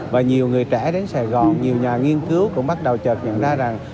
và nhiều người trẻ đến sài gòn nhiều nhà nghiên cứu cũng bắt đầu chật nhận ra rằng